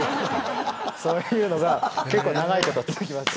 そういうのが結構、長いこと続きました。